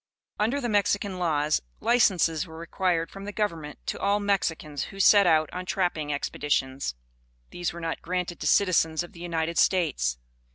Under the Mexican laws, licenses were required from the government to all Mexicans who set out on trapping expeditions. These were not granted to citizens of the United States.